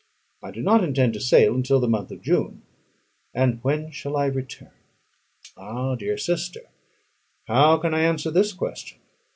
I do not intend to sail until the month of June; and when shall I return? Ah, dear sister, how can I answer this question?